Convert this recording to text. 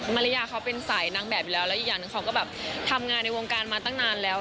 มาริยาเขาเป็นสายนางแบบอยู่แล้วแล้วอีกอย่างหนึ่งเขาก็แบบทำงานในวงการมาตั้งนานแล้ว